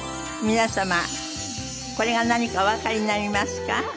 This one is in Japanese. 皆様これが何かおわかりになりますか？